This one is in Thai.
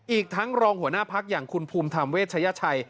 อีกทั้งรองหัวหน้าพักอย่างคุณภูมิธรรมเวชยชัย